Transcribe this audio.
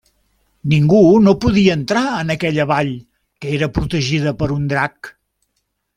Ningú no podia entrar en aquella vall, que era protegida per un drac.